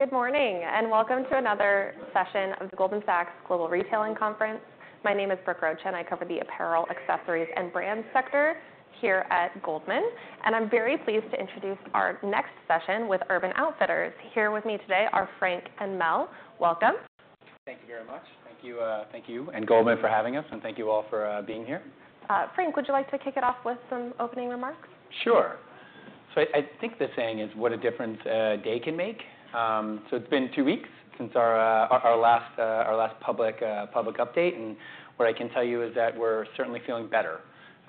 Good morning, and welcome to another session of the Goldman Sachs Global Retailing Conference. My name is Brooke Roach, and I cover the apparel, accessories, and brand sector here at Goldman, and I'm very pleased to introduce our next session with Urban Outfitters. Here with me today are Frank and Mel. Welcome. Thank you very much. Thank you, and Goldman, for having us, and thank you all for being here. Frank, would you like to kick it off with some opening remarks? Sure. So I think the saying is, what a difference a day can make. So it's been two weeks since our last public update, and what I can tell you is that we're certainly feeling better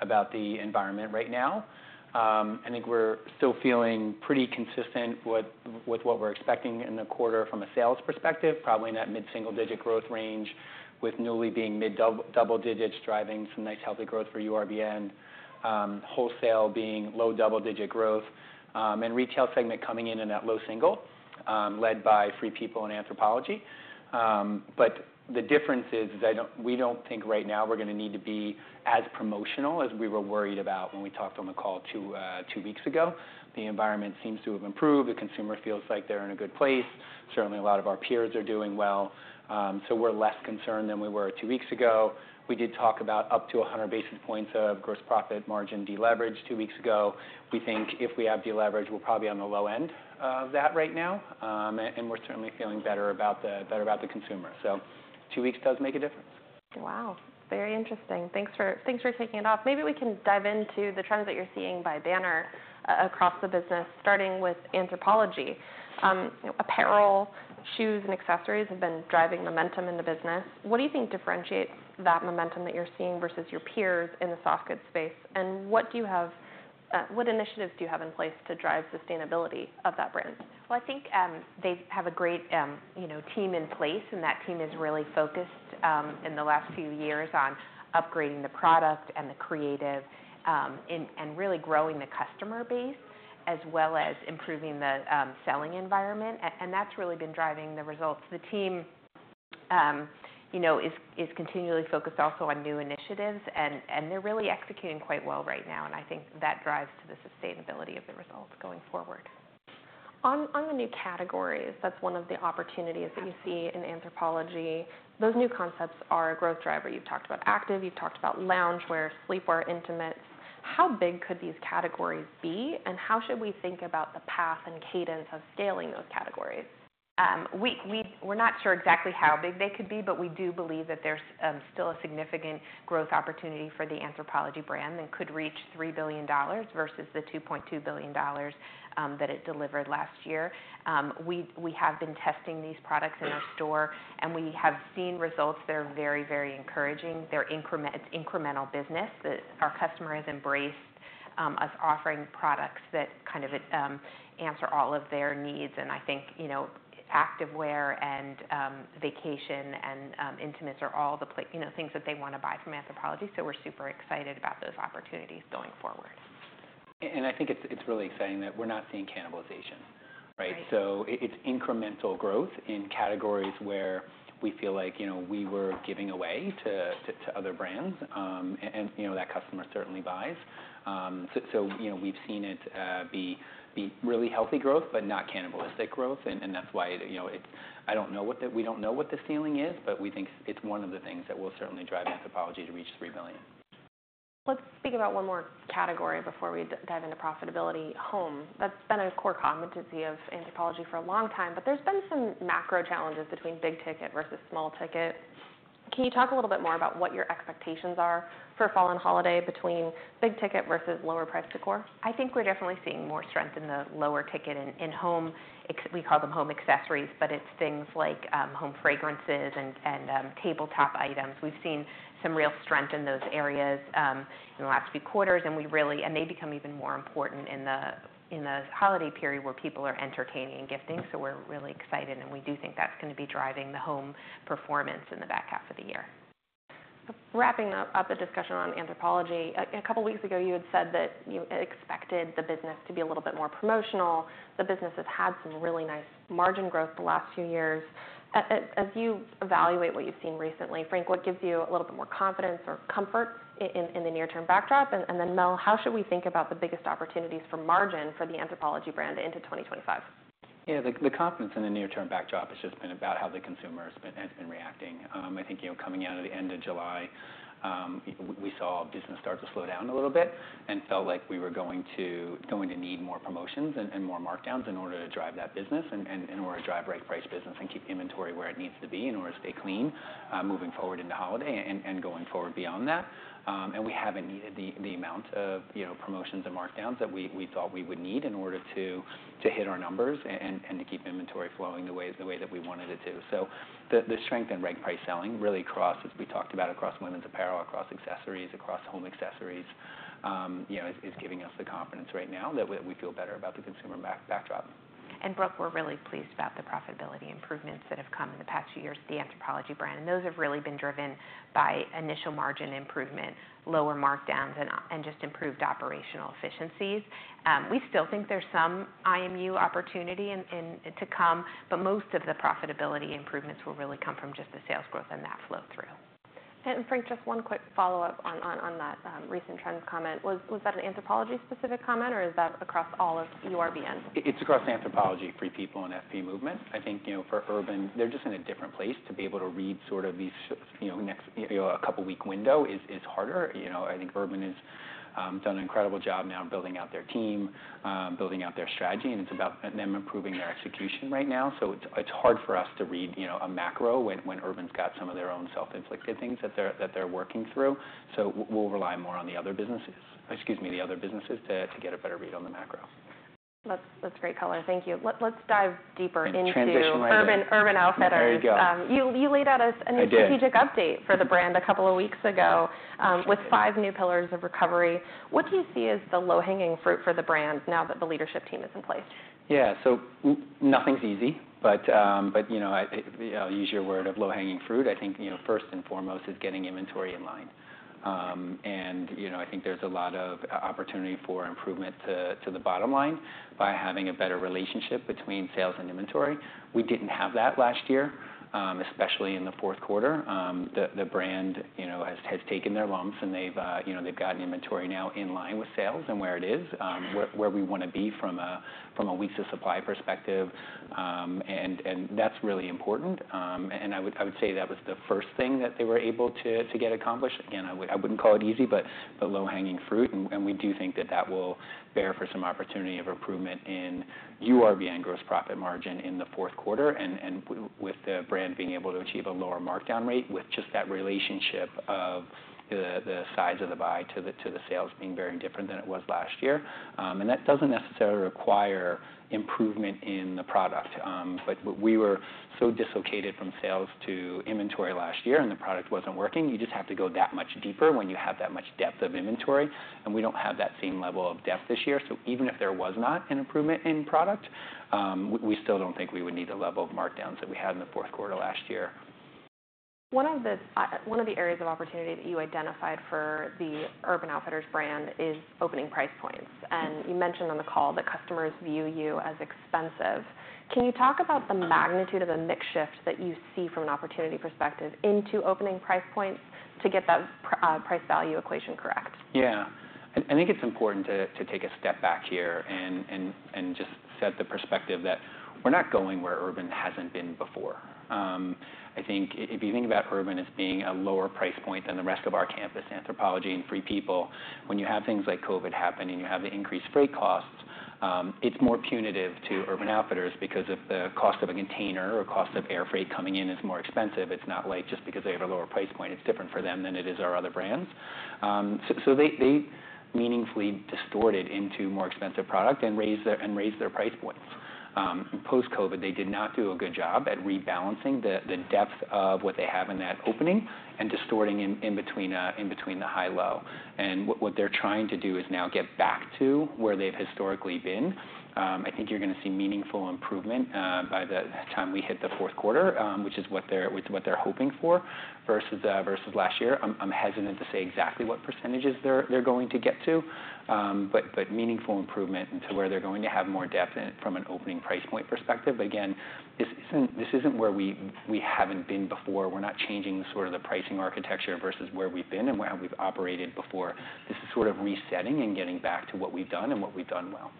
about the environment right now. I think we're still feeling pretty consistent with what we're expecting in the quarter from a sales perspective, probably in that mid-single-digit growth range, with Nuuly being mid-double digits, driving some nice, healthy growth for URBN. Wholesale being low double-digit growth, and retail segment coming in in that low single, led by Free People and Anthropologie. But the difference is, we don't think right now we're gonna need to be as promotional as we were worried about when we talked on the call two weeks ago. The environment seems to have improved. The consumer feels like they're in a good place. Certainly, a lot of our peers are doing well. So we're less concerned than we were two weeks ago. We did talk about up to one hundred basis points of gross profit margin deleverage two weeks ago. We think if we have deleverage, we're probably on the low end of that right now. And we're certainly feeling better about the consumer. So two weeks does make a difference. Wow! Very interesting. Thanks for kicking it off. Maybe we can dive into the trends that you're seeing by banner across the business, starting with Anthropologie. You know, apparel, shoes, and accessories have been driving momentum in the business. What do you think differentiates that momentum that you're seeing versus your peers in the soft goods space, and what initiatives do you have in place to drive sustainability of that brand? I think they have a great, you know, team in place, and that team is really focused in the last few years on upgrading the product and the creative, and really growing the customer base, as well as improving the selling environment, and that's really been driving the results. The team, you know, is continually focused also on new initiatives, and they're really executing quite well right now, and I think that drives to the sustainability of the results going forward. On the new categories, that's one of the opportunities- Yeah that you see in Anthropologie. Those new concepts are a growth driver. You've talked about active, you've talked about loungewear, sleepwear, intimates. How big could these categories be, and how should we think about the path and cadence of scaling those categories? We're not sure exactly how big they could be, but we do believe that there's still a significant growth opportunity for the Anthropologie brand and could reach $3 billion versus the $2.2 billion that it delivered last year. We have been testing these products in our store, and we have seen results that are very, very encouraging. It's incremental business that our customer has embraced us offering products that kind of answer all of their needs. And I think, you know, activewear and vacation and intimates are all the, you know, things that they wanna buy from Anthropologie, so we're super excited about those opportunities going forward. I think it's really exciting that we're not seeing cannibalization, right? Right. It's incremental growth in categories where we feel like, you know, we were giving away to other brands, and, you know, that customer certainly buys. So, you know, we've seen it be really healthy growth, but not cannibalistic growth, and that's why, you know, it's. We don't know what the ceiling is, but we think it's one of the things that will certainly drive Anthropologie to reach $3 billion. Let's speak about one more category before we dive into profitability: home. That's been a core competency of Anthropologie for a long time, but there's been some macro challenges between big ticket versus small ticket. Can you talk a little bit more about what your expectations are for fall and holiday between big ticket versus lower price decor? I think we're definitely seeing more strength in the lower ticket in home. It's. We call them home accessories, but it's things like home fragrances and tabletop items. We've seen some real strength in those areas in the last few quarters, and we really. And they become even more important in the holiday period, where people are entertaining and gifting. So we're really excited, and we do think that's gonna be driving the home performance in the back half of the year. Wrapping up the discussion on Anthropologie, a couple weeks ago, you had said that you expected the business to be a little bit more promotional. The business has had some really nice margin growth the last few years. As you evaluate what you've seen recently, Frank, what gives you a little bit more confidence or comfort in the near-term backdrop? And then, Mel, how should we think about the biggest opportunities for margin for the Anthropologie brand into twenty twenty-five? Yeah, the confidence in the near-term backdrop has just been about how the consumer has been reacting. I think, you know, coming out of the end of July, we saw business start to slow down a little bit and felt like we were going to need more promotions and more markdowns in order to drive that business and in order to drive right price business and keep inventory where it needs to be, in order to stay clean, moving forward into holiday and going forward beyond that. And we haven't needed the amount of, you know, promotions and markdowns that we thought we would need in order to hit our numbers and to keep inventory flowing the way that we wanted it to. So the strength in right price selling really across, as we talked about, across women's apparel, across accessories, across home accessories, you know, is giving us the confidence right now that we feel better about the consumer backdrop. Brooke, we're really pleased about the profitability improvements that have come in the past few years at the Anthropologie brand, and those have really been driven by initial margin improvement, lower markdowns, and just improved operational efficiencies. We still think there's some IMU opportunity yet to come, but most of the profitability improvements will really come from just the sales growth and that flow through. ... And Frank, just one quick follow-up on that recent trends comment. Was that an Anthropologie-specific comment, or is that across all of URBN? It's across Anthropologie, Free People, and FP Movement. I think, you know, for Urban, they're just in a different place to be able to read sort of these, you know, next, you know, a couple week window is, is harder. You know, I think Urban has done an incredible job now in building out their team, building out their strategy, and it's about them improving their execution right now. So it's, it's hard for us to read, you know, a macro when, when Urban's got some of their own self-inflicted things that they're, that they're working through. So we'll rely more on the other businesses-- excuse me, the other businesses to, to get a better read on the macro. That's great color. Thank you. Let's dive deeper into- Transition right there.... Urban Outfitters. There you go. You laid out a- I did... a strategic update for the brand a couple of weeks ago, with five new pillars of recovery. What do you see as the low-hanging fruit for the brand now that the leadership team is in place? Yeah. So nothing's easy, but, but, you know, I'll use your word of low-hanging fruit. I think, you know, first and foremost, is getting inventory in line. And, you know, I think there's a lot of opportunity for improvement to the bottom line by having a better relationship between sales and inventory. We didn't have that last year, especially in the fourth quarter. The brand, you know, has taken their lumps, and they've, you know, they've gotten inventory now in line with sales and where it is, where we wanna be from a weeks of supply perspective, and that's really important. I would say that was the first thing that they were able to get accomplished, and I wouldn't call it easy, but the low-hanging fruit. We do think that will bear for some opportunity of improvement in URBN gross profit margin in the fourth quarter, with the brand being able to achieve a lower markdown rate with just that relationship of the size of the buy to the sales being very different than it was last year. That doesn't necessarily require improvement in the product, but we were so dislocated from sales to inventory last year, and the product wasn't working. You just have to go that much deeper when you have that much depth of inventory, and we don't have that same level of depth this year. So even if there was not an improvement in product, we still don't think we would need the level of markdowns that we had in the fourth quarter last year. One of the areas of opportunity that you identified for the Urban Outfitters brand is opening price points, and you mentioned on the call that customers view you as expensive. Can you talk about the magnitude of the mix shift that you see from an opportunity perspective into opening price points to get that price value equation correct? Yeah. I think it's important to take a step back here and just set the perspective that we're not going where Urban hasn't been before. I think if you think about Urban as being a lower price point than the rest of our campus, Anthropologie and Free People, when you have things like COVID happen, and you have the increased freight costs, it's more punitive to Urban Outfitters. Because if the cost of a container or cost of air freight coming in is more expensive, it's not like just because they have a lower price point, it's different for them than it is our other brands. So they meaningfully distorted into more expensive product and raised their price points. Post-COVID, they did not do a good job at rebalancing the depth of what they have in that opening and distorting in between the high-low. And what they're trying to do is now get back to where they've historically been. I think you're gonna see meaningful improvement by the time we hit the fourth quarter, which is what they're hoping for versus last year. I'm hesitant to say exactly what percentages they're going to get to, but meaningful improvement into where they're going to have more depth in from an opening price point perspective. Again, this isn't where we haven't been before. We're not changing sort of the pricing architecture versus where we've been and where we've operated before. This is sort of resetting and getting back to what we've done and what we've done well.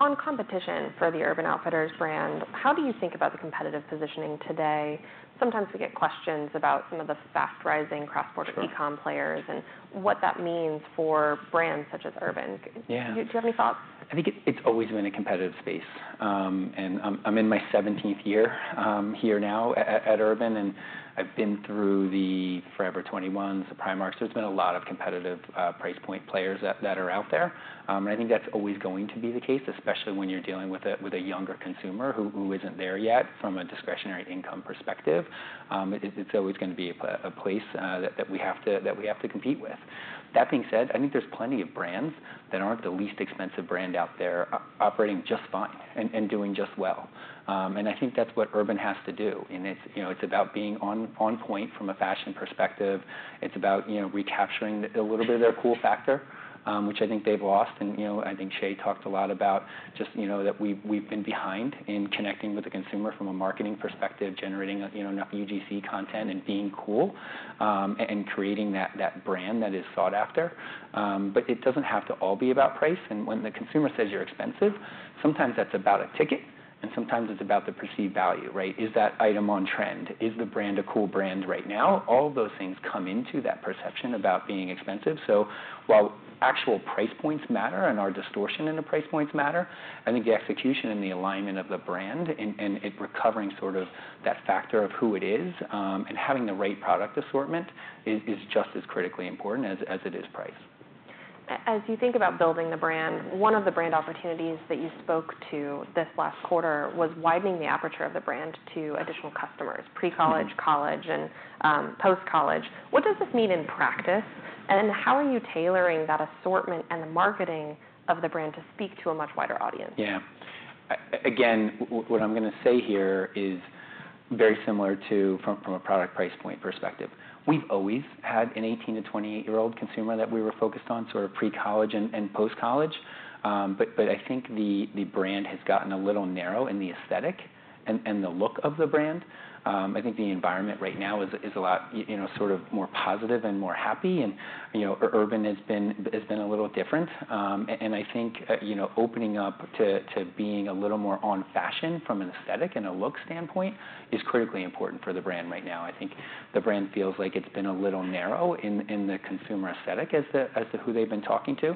On competition for the Urban Outfitters brand, how do you think about the competitive positioning today? Sometimes we get questions about some of the fast-rising cross-border- Sure... e-com players and what that means for brands such as Urban. Yeah. Do you have any thoughts? I think it's always been a competitive space, and I'm in my 17th year here now at Urban, and I've been through the Forever 21s, the Primarks, so there's been a lot of competitive price point players that are out there, and I think that's always going to be the case, especially when you're dealing with a younger consumer who isn't there yet from a discretionary income perspective. It's always gonna be a place that we have to compete with. That being said, I think there's plenty of brands that aren't the least expensive brand out there, operating just fine and doing just well. And I think that's what Urban has to do, and it's, you know, it's about being on point from a fashion perspective. It's about, you know, recapturing a little bit of their cool factor, which I think they've lost. And, you know, I think Shea talked a lot about just, you know, that we've been behind in connecting with the consumer from a marketing perspective, generating, you know, enough UGC content and being cool, and creating that brand that is sought after. But it doesn't have to all be about price. And when the consumer says you're expensive, sometimes that's about a ticket, and sometimes it's about the perceived value, right? Is that item on trend? Is the brand a cool brand right now? All of those things come into that perception about being expensive. While actual price points matter and our distortion in the price points matter, I think the execution and the alignment of the brand and it recovering sort of that factor of who it is, and having the right product assortment is just as critically important as it is price. As you think about building the brand, one of the brand opportunities that you spoke to this last quarter was widening the aperture of the brand to additional customers-... pre-college, college, and post-college. What does this mean in practice, and how are you tailoring that assortment and the marketing of the brand to speak to a much wider audience? Yeah. Again, what I'm gonna say here is very similar to, from a product price point perspective. We've always had an eighteen to twenty-eight-year-old consumer that we were focused on, sort of pre-college and post-college. But I think the brand has gotten a little narrow in the aesthetic and the look of the brand. I think the environment right now is a lot, you know, sort of more positive and more happy, and, you know, Urban has been a little different. And I think, you know, opening up to being a little more on fashion from an aesthetic and a look standpoint is critically important for the brand right now. I think the brand feels like it's been a little narrow in the consumer aesthetic as to who they've been talking to.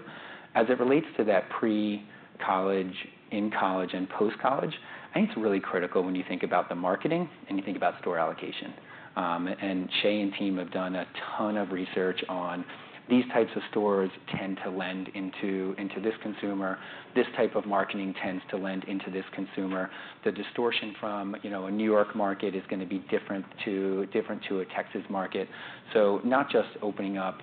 As it relates to that pre-college, in college, and post-college, I think it's really critical when you think about the marketing and you think about store allocation. And Shea and team have done a ton of research on these types of stores tend to lend into this consumer. This type of marketing tends to lend into this consumer. The distortion from, you know, a New York market is gonna be different to a Texas market. So not just opening up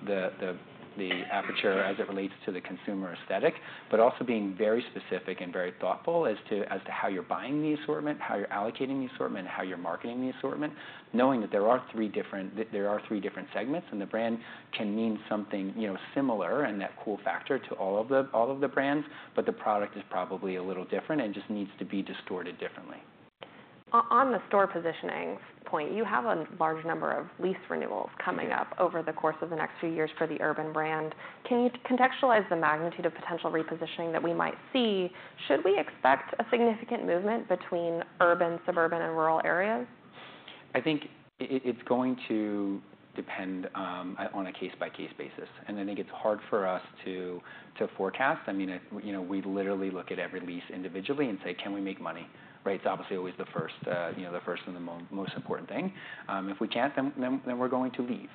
the aperture as it relates to the consumer aesthetic, but also being very specific and very thoughtful as to how you're buying the assortment, how you're allocating the assortment, how you're marketing the assortment, knowing that there are three different segments, and the brand can mean something, you know, similar, and that cool factor to all of the brands, but the product is probably a little different and just needs to be distorted differently. On the store positioning point, you have a large number of lease renewals coming up over the course of the next few years for the Urban brand. Can you contextualize the magnitude of potential repositioning that we might see? Should we expect a significant movement between urban, suburban, and rural areas? I think it's going to depend on a case-by-case basis, and I think it's hard for us to forecast. I mean, if you know, we literally look at every lease individually and say: Can we make money? Right? It's obviously always the first, you know, the first and the most important thing. If we can't, then we're going to leave.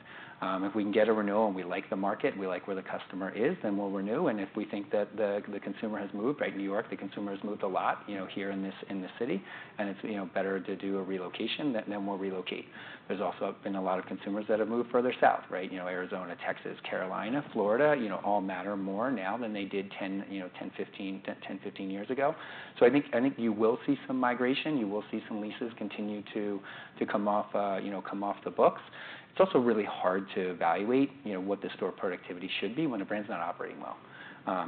If we can get a renewal, and we like the market, and we like where the customer is, then we'll renew, and if we think that the consumer has moved, right? New York, the consumer has moved a lot, you know, here in this city, and it's you know, better to do a relocation, then we'll relocate. There's also been a lot of consumers that have moved further south, right? You know, Arizona, Texas, Carolina, Florida, you know, all matter more now than they did ten, fifteen years ago. So I think you will see some migration. You will see some leases continue to come off, you know, come off the books. It's also really hard to evaluate, you know, what the store productivity should be when a brand's not operating well.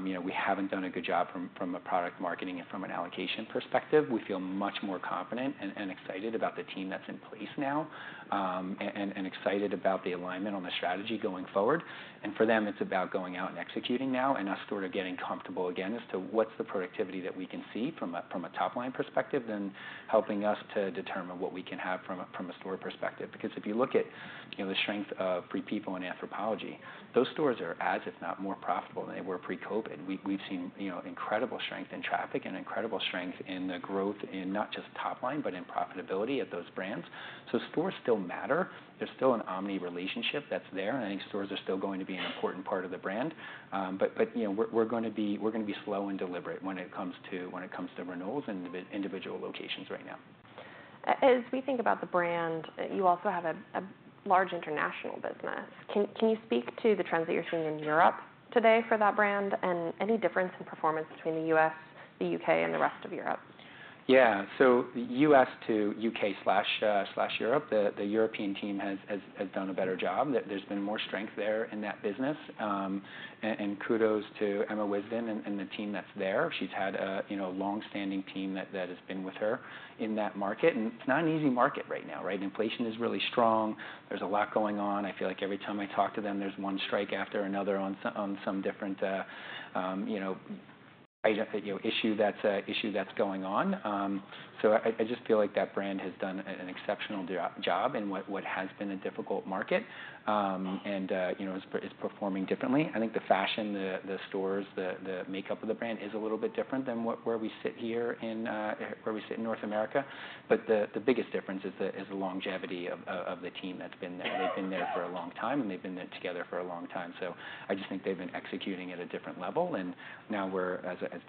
You know, we haven't done a good job from a product marketing and from an allocation perspective. We feel much more confident and excited about the team that's in place now, and excited about the alignment on the strategy going forward. And for them, it's about going out and executing now, and us sort of getting comfortable again as to what's the productivity that we can see from a top-line perspective, then helping us to determine what we can have from a store perspective. Because if you look at, you know, the strength of Free People and Anthropologie, those stores are as, if not more, profitable than they were pre-COVID. We've seen, you know, incredible strength in traffic and incredible strength in the growth in not just top line, but in profitability at those brands. So stores still matter. There's still an omni relationship that's there, and I think stores are still going to be an important part of the brand. But you know, we're gonna be slow and deliberate when it comes to renewals and individual locations right now. As we think about the brand, you also have a large international business. Can you speak to the trends that you're seeing in Europe today for that brand, and any difference in performance between the U.S., the U.K., and the rest of Europe? Yeah. So U.S. to U.K./Europe, the European team has done a better job, that there's been more strength there in that business. And kudos to Emma Wisden and the team that's there. She's had a you know, long-standing team that has been with her in that market, and it's not an easy market right now, right? Inflation is really strong. There's a lot going on. I feel like every time I talk to them, there's one strike after another on some different you know, agent issue that's going on. So I just feel like that brand has done an exceptional job in what has been a difficult market, and you know, is performing differently. I think the fashion, the stores, the makeup of the brand is a little bit different than where we sit here in North America. But the biggest difference is the longevity of the team that's been there. They've been there for a long time, and they've been there together for a long time. So I just think they've been executing at a different level, and now we're,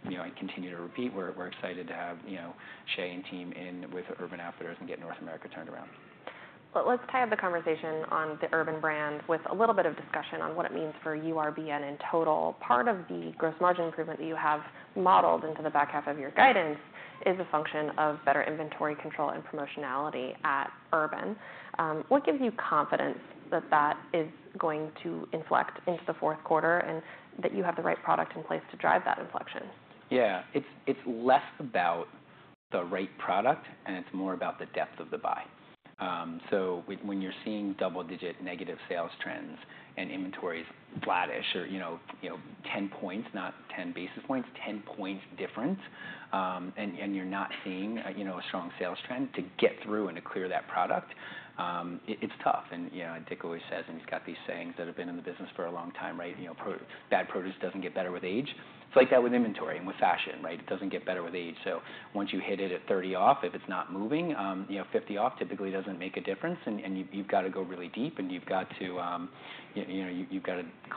you know, I continue to repeat, we're excited to have, you know, Shea and team in with Urban Outfitters and get North America turned around. Well, let's tie up the conversation on the Urban brand with a little bit of discussion on what it means for URBN in total. Part of the gross margin improvement that you have modeled into the back half of your guidance is a function of better inventory control and promotionality at Urban. What gives you confidence that that is going to inflect into the fourth quarter, and that you have the right product in place to drive that inflection? Yeah. It's less about the right product, and it's more about the depth of the buy. So when you're seeing double-digit negative sales trends and inventories flattish or, you know, ten points, not ten basis points, ten points difference, and you're not seeing, you know, a strong sales trend to get through and to clear that product, it's tough. And, you know, Dick always says, and he's got these sayings that have been in the business for a long time, right? You know, pro- bad produce doesn't get better with age. It's like that with inventory and with fashion, right? It doesn't get better with age. So once you hit it at thirty off, if it's not moving, you know, fifty off typically doesn't make a difference, and you've got to go really deep, and you've got to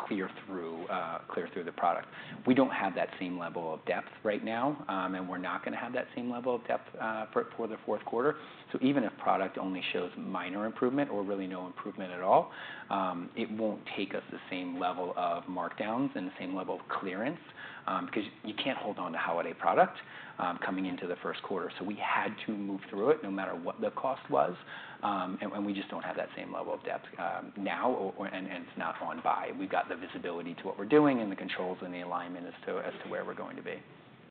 clear through the product. We don't have that same level of depth right now, and we're not gonna have that same level of depth for the fourth quarter. So even if product only shows minor improvement or really no improvement at all, it won't take us the same level of markdowns and the same level of clearance, because you can't hold on to holiday product coming into the first quarter. So we had to move through it no matter what the cost was, and we just don't have that same level of depth now, and it's now gone by. We've got the visibility to what we're doing, and the controls and the alignment as to where we're going to be.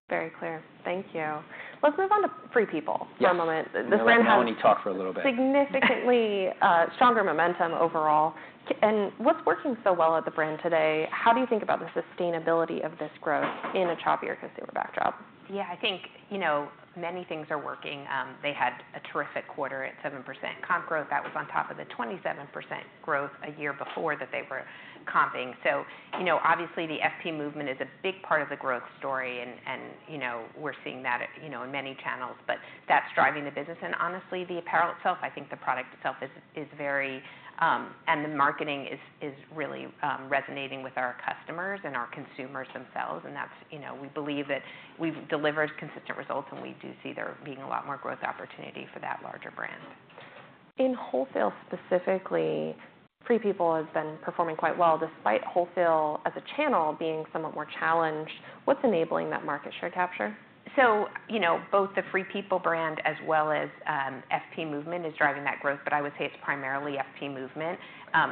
Very clear. Thank you. Let's move on to Free People- Yeah. -for a moment. I'm gonna let Melanie talk for a little bit. Significantly, stronger momentum overall. Comps and what's working so well at the brand today? How do you think about the sustainability of this growth in a choppier consumer backdrop? Yeah, I think, you know, many things are working. They had a terrific quarter at 7% comp growth. That was on top of the 27% growth a year before that they were comping. So, you know, obviously, the FP Movement is a big part of the growth story, and you know, we're seeing that, you know, in many channels. But that's driving the business, and honestly, the apparel itself, I think the product itself is very. And the marketing is really resonating with our customers and our consumers themselves. And that's, you know, we believe that we've delivered consistent results, and we do see there being a lot more growth opportunity for that larger brand. In wholesale specifically, Free People has been performing quite well, despite wholesale as a channel being somewhat more challenged. What's enabling that market share capture? So, you know, both the Free People brand as well as, FP Movement is driving that growth, but I would say it's primarily FP Movement.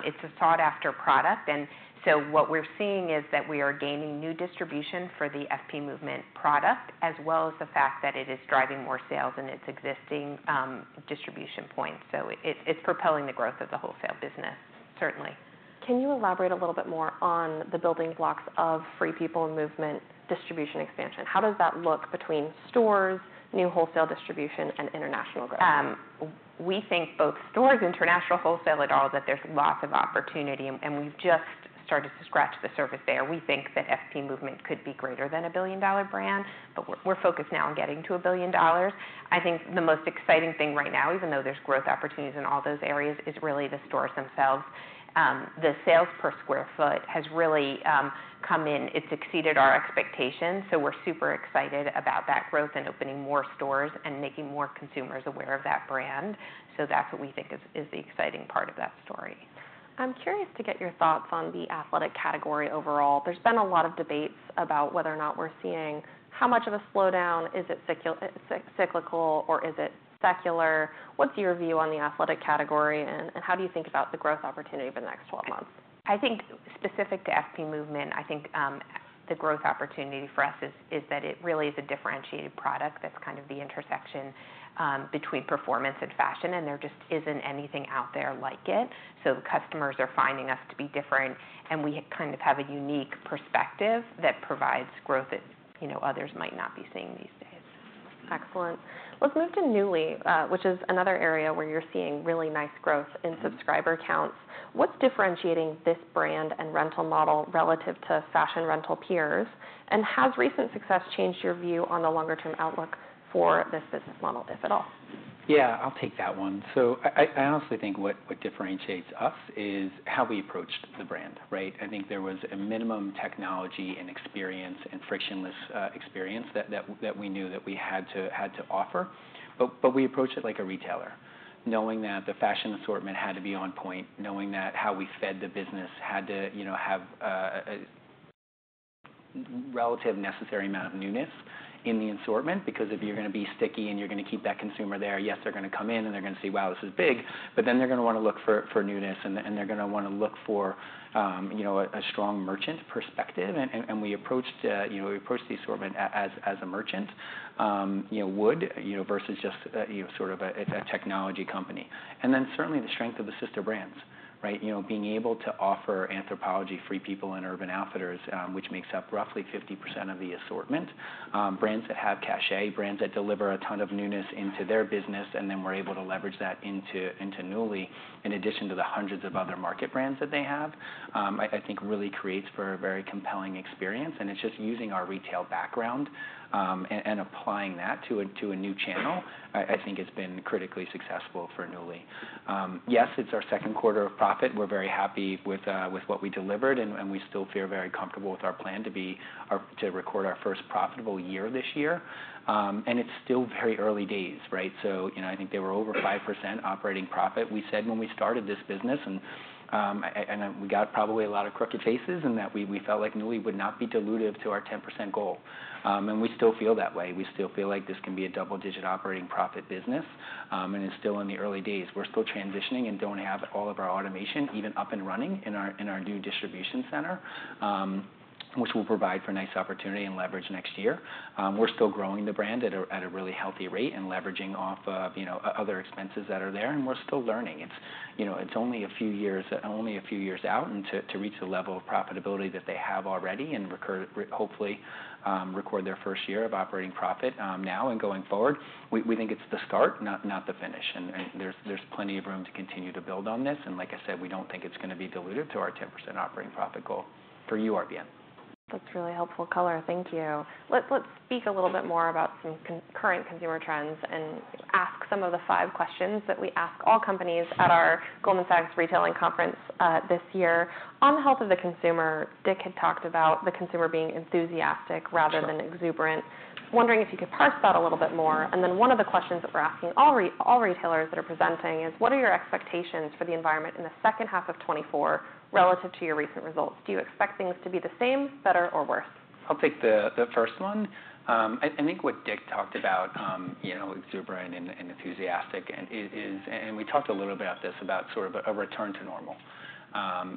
It's a sought-after product, and so what we're seeing is that we are gaining new distribution for the FP Movement product, as well as the fact that it is driving more sales in its existing distribution points. So it, it's propelling the growth of the wholesale business, certainly. Can you elaborate a little bit more on the building blocks of Free People and Movement distribution expansion? How does that look between stores, new wholesale distribution, and international growth? We think both stores, international, wholesale, et al., that there's lots of opportunity, and we've just started to scratch the surface there. We think that FP Movement could be greater than a $1 billion brand, but we're focused now on getting to $1 billion. I think the most exciting thing right now, even though there's growth opportunities in all those areas, is really the stores themselves. The sales per sq ft has really come in. It's exceeded our expectations, so we're super excited about that growth and opening more stores and making more consumers aware of that brand. So that's what we think is the exciting part of that story. I'm curious to get your thoughts on the athletic category overall. There's been a lot of debates about whether or not we're seeing how much of a slowdown. Is it cyclical, or is it secular? What's your view on the athletic category, and how do you think about the growth opportunity over the next twelve months? I think specific to FP Movement, I think, the growth opportunity for us is that it really is a differentiated product. That's kind of the intersection between performance and fashion, and there just isn't anything out there like it. So the customers are finding us to be different, and we kind of have a unique perspective that provides growth that, you know, others might not be seeing these days. Excellent. Let's move to Nuuly, which is another area where you're seeing really nice growth in subscriber counts. What's differentiating this brand and rental model relative to fashion rental peers? And has recent success changed your view on the longer-term outlook for this business model, if at all? Yeah, I'll take that one. So I honestly think what differentiates us is how we approached the brand, right? I think there was a minimum technology and experience and frictionless experience that we knew that we had to offer. But we approached it like a retailer, knowing that the fashion assortment had to be on point, knowing that how we fed the business had to, you know, have a relative necessary amount of newness in the assortment. Because if you're gonna be sticky and you're gonna keep that consumer there, yes, they're gonna come in, and they're gonna see, "Wow, this is big," but then they're gonna wanna look for newness, and they're gonna wanna look for, you know, a strong merchant perspective. We approached, you know, we approached the assortment as a merchant, you know, would, you know, versus just, you know, sort of a technology company. And then, certainly, the strength of the sister brands, right? You know, being able to offer Anthropologie, Free People, and Urban Outfitters, which makes up roughly 50% of the assortment. Brands that have cachet, brands that deliver a ton of newness into their business, and then we're able to leverage that into Nuuly, in addition to the hundreds of other market brands that they have. I think really creates a very compelling experience, and it's just using our retail background and applying that to a new channel. I think has been critically successful for Nuuly. Yes, it's our second quarter of profit. We're very happy with what we delivered, and we still feel very comfortable with our plan to record our first profitable year this year. It's still very early days, right? You know, I think they were over 5% operating profit. We said when we started this business, and we got probably a lot of crooked faces, and that we felt like Nuuly would not be dilutive to our 10% goal. We still feel that way. We still feel like this can be a double-digit operating profit business, and it's still in the early days. We're still transitioning and don't have all of our automation even up and running in our new distribution center, which will provide for a nice opportunity and leverage next year. We're still growing the brand at a really healthy rate and leveraging off of, you know, other expenses that are there, and we're still learning. It's, you know, it's only a few years out, and to reach the level of profitability that they have already and hopefully record their first year of operating profit now and going forward. We think it's the start, not the finish. There's plenty of room to continue to build on this, and like I said, we don't think it's gonna be dilutive to our 10% operating profit goal for URBN. That's really helpful color. Thank you. Let's speak a little bit more about some concurrent consumer trends and ask some of the five questions that we ask all companies at our Goldman Sachs Retailing conference this year. On the health of the consumer, Dick had talked about the consumer being enthusiastic rather than exuberant. Sure. Wondering if you could parse that a little bit more. And then, one of the questions that we're asking all retailers that are presenting is: What are your expectations for the environment in the second half of 2024 relative to your recent results? Do you expect things to be the same, better, or worse?... I'll take the first one. I think what Dick talked about, you know, exuberant and enthusiastic, and it is, and we talked a little bit about this, about sort of a return to normal.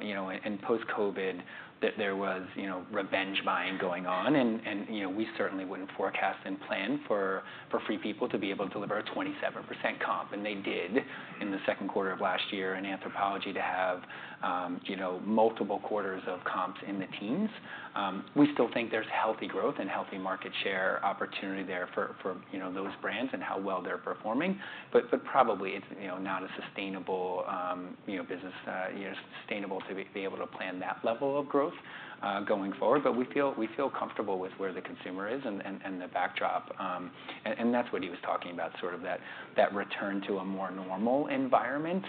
You know, and post-COVID, that there was, you know, revenge buying going on, and, you know, we certainly wouldn't forecast and plan for Free People to be able to deliver a 27% comp, and they did in the second quarter of last year, and Anthropologie to have, you know, multiple quarters of comps in the teens. We still think there's healthy growth and healthy market share opportunity there for, you know, those brands and how well they're performing. But probably it's, you know, not a sustainable business, you know, to be able to plan that level of growth going forward. But we feel comfortable with where the consumer is and the backdrop, and that's what he was talking about, sort of that return to a more normal environment,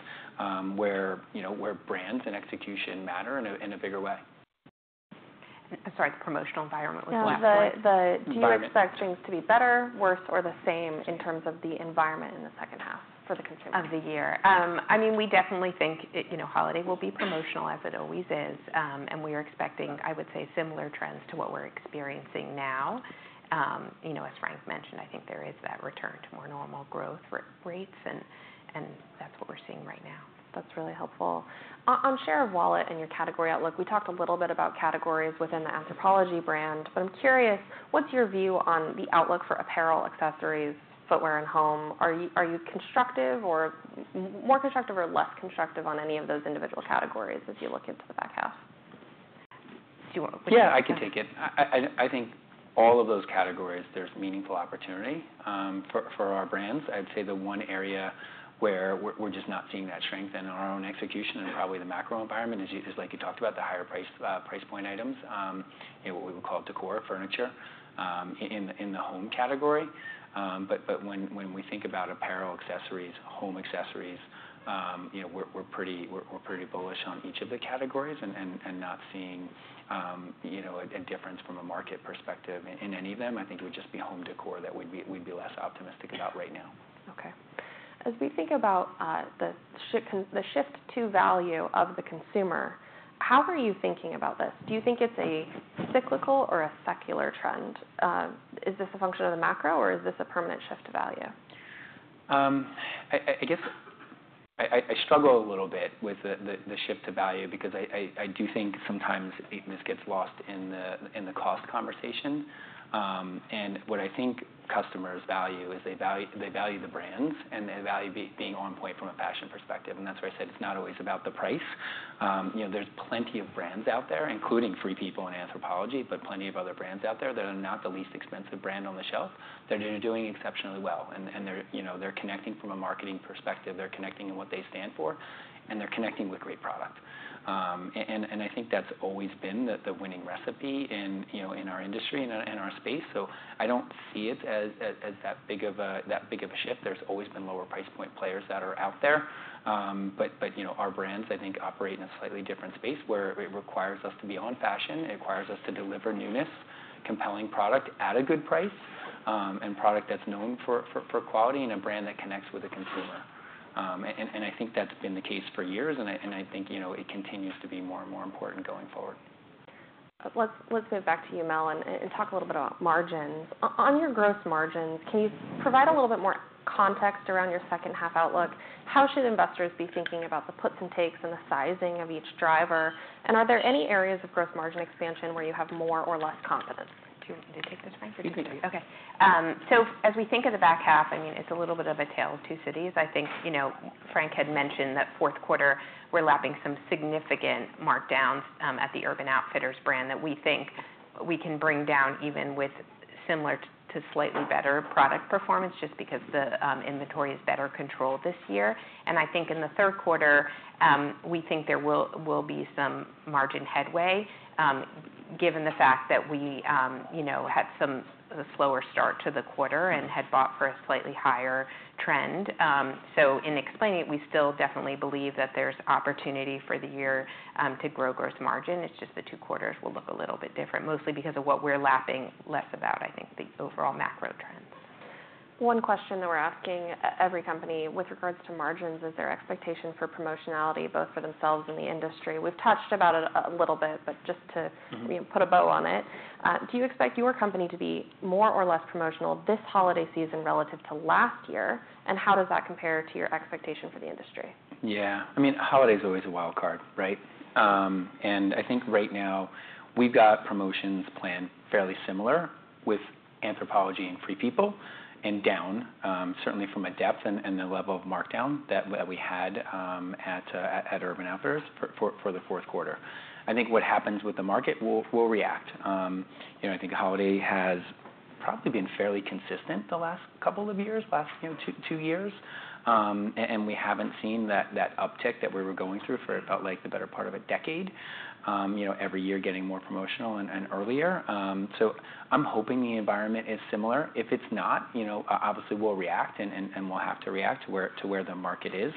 where, you know, brands and execution matter in a bigger way. Sorry, the promotional environment was the last one. Yeah, the- Environment. Do you expect things to be better, worse, or the same in terms of the environment in the second half for the consumer? Of the year? I mean, we definitely think it... You know, holiday will be promotional, as it always is. And we are expecting, I would say, similar trends to what we're experiencing now. You know, as Frank mentioned, I think there is that return to more normal growth rates, and that's what we're seeing right now. That's really helpful. On share of wallet and your category outlook, we talked a little bit about categories within the Anthropologie brand, but I'm curious, what's your view on the outlook for apparel, accessories, footwear, and home? Are you constructive or more constructive or less constructive on any of those individual categories as you look into the back half? Do you want to take this, Frank? Yeah, I can take it. I think all of those categories, there's meaningful opportunity for our brands. I'd say the one area where we're just not seeing that strength in our own execution and probably the macro environment is just like you talked about, the higher price price point items, and what we would call decor, furniture, in the home category. But when we think about apparel, accessories, home accessories, you know, we're pretty bullish on each of the categories and not seeing a difference from a market perspective in any of them. I think it would just be home decor that we'd be less optimistic about right now. Okay. As we think about the shift to value of the consumer, how are you thinking about this? Do you think it's a cyclical or a secular trend? Is this a function of the macro, or is this a permanent shift to value? I guess I struggle a little bit with the shift to value because I do think sometimes this gets lost in the cost conversation. And what I think customers value is the brands, and they value being on point from a fashion perspective, and that's why I said it's not always about the price. You know, there's plenty of brands out there, including Free People and Anthropologie, but plenty of other brands out there that are not the least expensive brand on the shelf. They're doing exceptionally well, and they're, you know, they're connecting from a marketing perspective. They're connecting in what they stand for, and they're connecting with great product. I think that's always been the winning recipe in, you know, in our industry and in our space. So I don't see it as that big of a shift. There's always been lower price point players that are out there. But you know, our brands, I think, operate in a slightly different space, where it requires us to be on fashion. It requires us to deliver newness, compelling product at a good price, and product that's known for quality and a brand that connects with the consumer. I think that's been the case for years, and I think, you know, it continues to be more and more important going forward. Let's move back to you, Mel, and talk a little bit about margins. On your gross margins, can you provide a little bit more context around your second half outlook? How should investors be thinking about the puts and takes and the sizing of each driver? And are there any areas of gross margin expansion where you have more or less confidence? Do you want me to take this, Frank? You can do it. Okay. So as we think of the back half, I mean, it's a little bit of a tale of two cities. I think, you know, Frank had mentioned that fourth quarter, we're lapping some significant markdowns at the Urban Outfitters brand that we think we can bring down, even with similar to slightly better product performance, just because the inventory is better controlled this year. And I think in the third quarter, we think there will be some margin headway, given the fact that we, you know, had a slower start to the quarter and had bought for a slightly higher trend. So in explaining it, we still definitely believe that there's opportunity for the year to grow gross margin. It's just the two quarters will look a little bit different, mostly because of what we're lapping less about, I think, the overall macro trends. One question that we're asking every company with regards to margins is their expectation for promotionality, both for themselves and the industry. We've touched about it a little bit, but just to-... you know, put a bow on it. Do you expect your company to be more or less promotional this holiday season relative to last year? And how does that compare to your expectation for the industry? Yeah. I mean, holiday's always a wild card, right? And I think right now, we've got promotions planned fairly similar with Anthropologie and Free People, and down certainly from a depth and the level of markdown that we had at Urban Outfitters for the fourth quarter. I think what happens with the market, we'll react. You know, I think holiday has probably been fairly consistent the last couple of years, you know, two years. And we haven't seen that uptick that we were going through for, like, the better part of a decade. You know, every year getting more promotional and earlier. So I'm hoping the environment is similar. If it's not, you know, obviously, we'll react, and we'll have to react to where the market is.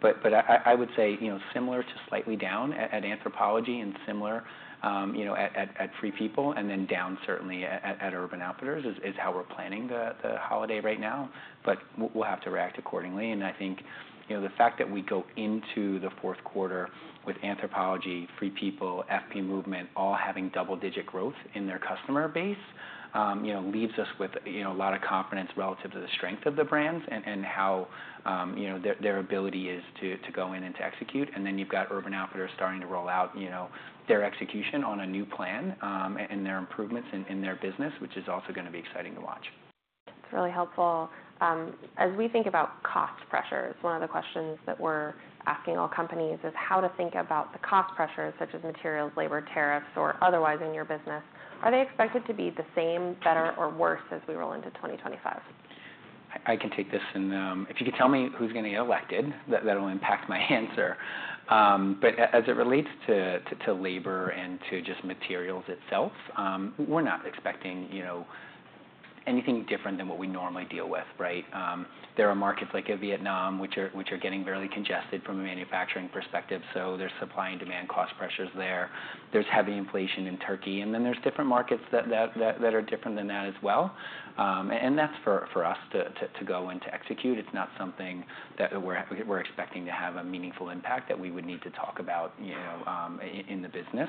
But I would say, you know, similar to slightly down at Anthropologie, and similar at Free People, and then down certainly at Urban Outfitters, is how we're planning the holiday right now. But we'll have to react accordingly. And I think, you know, the fact that we go into the fourth quarter with Anthropologie, Free People, FP Movement, all having double-digit growth in their customer base, leaves us with, you know, a lot of confidence relative to the strength of the brands and how their ability is to go in and to execute. And then you've got Urban Outfitters starting to roll out, you know, their execution on a new plan, and their improvements in their business, which is also gonna be exciting to watch. It's really helpful. As we think about cost pressures, one of the questions that we're asking all companies is how to think about the cost pressures, such as materials, labor, tariffs, or otherwise in your business. Are they expected to be the same, better, or worse as we roll into 2025? I can take this, and if you could tell me who's gonna get elected, that will impact my answer. But as it relates to labor and to just materials itself, we're not expecting, you know, anything different than what we normally deal with, right? There are markets like Vietnam, which are getting barely congested from a manufacturing perspective, so there's supply and demand cost pressures there. There's heavy inflation in Turkey, and then there's different markets that are different than that as well. And that's for us to go and to execute. It's not something that we're expecting to have a meaningful impact that we would need to talk about, you know, in the business,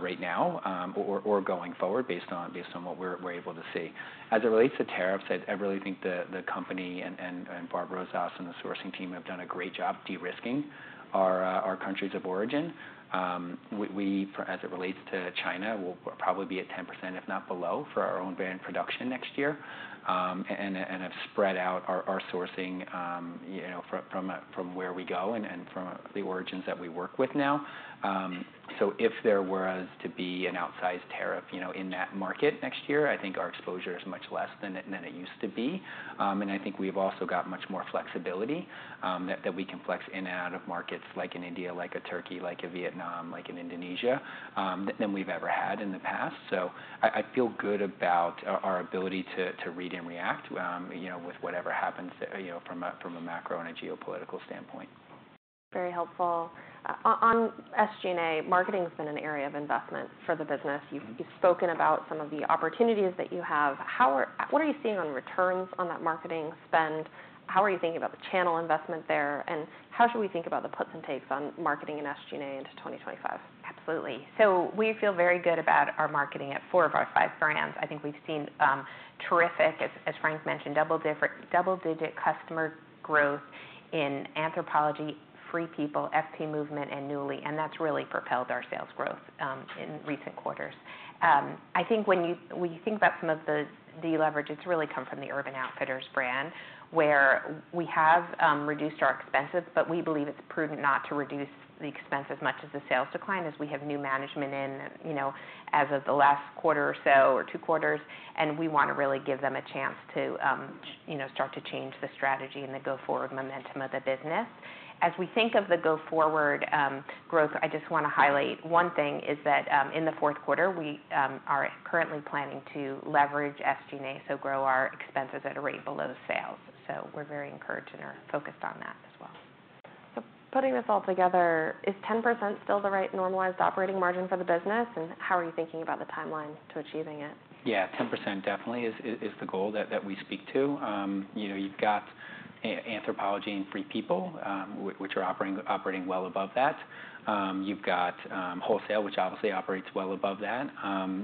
right now, or going forward, based on what we're able to see. As it relates to tariffs, I really think the company and Barbara Rozsas and the sourcing team have done a great job de-risking our countries of origin. We, as it relates to China, we'll probably be at 10%, if not below, for our own brand production next year, and have spread out our sourcing, you know, from where we go and from the origins that we work with now. So if there was to be an outsized tariff, you know, in that market next year, I think our exposure is much less than it used to be. And I think we've also got much more flexibility that we can flex in and out of markets like India, like Turkey, like Vietnam, like Indonesia than we've ever had in the past. So I feel good about our ability to read and react, you know, with whatever happens, you know, from a macro and a geopolitical standpoint. Very helpful. On SG&A, marketing's been an area of investment for the business. You've spoken about some of the opportunities that you have. What are you seeing on returns on that marketing spend? How are you thinking about the channel investment there, and how should we think about the puts and takes on marketing and SG&A into 2025? Absolutely. So we feel very good about our marketing at four of our five brands. I think we've seen terrific, as Frank mentioned, double-digit customer growth in Anthropologie, Free People, FP Movement, and Nuuly, and that's really propelled our sales growth in recent quarters. I think when you think about some of the leverage, it's really come from the Urban Outfitters brand, where we have reduced our expenses, but we believe it's prudent not to reduce the expense as much as the sales decline, as we have new management in, you know, as of the last quarter or so, or two quarters, and we wanna really give them a chance to, you know, start to change the strategy and the go-forward momentum of the business. As we think of the go-forward, growth, I just wanna highlight one thing, is that, in the fourth quarter, we are currently planning to leverage SG&A, so grow our expenses at a rate below the sales. So we're very encouraged and are focused on that as well. So putting this all together, is 10% still the right normalized operating margin for the business? And how are you thinking about the timeline to achieving it? Yeah, 10% definitely is the goal that we speak to. You know, you've got Anthropologie and Free People, which are operating well above that. You've got wholesale, which obviously operates well above that.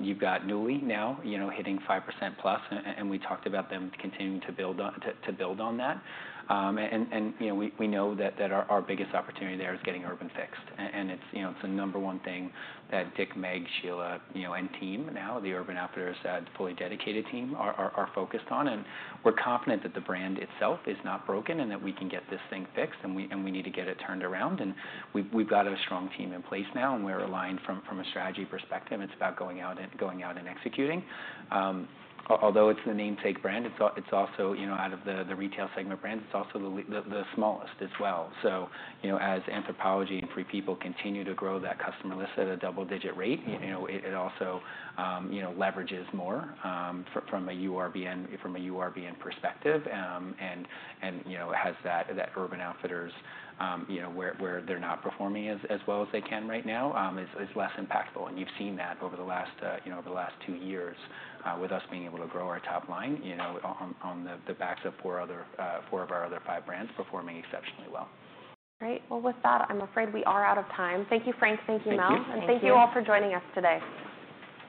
You've got Nuuly now, you know, hitting 5% plus, and we talked about them continuing to build on to build on that. And, you know, we know that our biggest opportunity there is getting Urban fixed, and it's the number one thing that Dick, Meg, Sheila, you know, and team now, the Urban Outfitters and fully dedicated team, are focused on. We're confident that the brand itself is not broken, and that we can get this thing fixed, and we need to get it turned around, and we've got a strong team in place now, and we're aligned from a strategy perspective. It's about going out and executing. Although it's the namesake brand, it's also, you know, out of the retail segment brands, it's also the smallest as well. So, you know, as Anthropologie and Free People continue to grow that customer list at a double-digit rate, you know, it also, you know, leverages more from a URBN perspective, and, you know, has that Urban Outfitters where they're not performing as well as they can right now is less impactful. And you've seen that over the last, you know, over the last two years with us being able to grow our top line, you know, on the backs of four of our other five brands performing exceptionally well. Great. Well, with that, I'm afraid we are out of time. Thank you, Frank. Thank you, Mel. Thank you. Thank you. Thank you all for joining us today.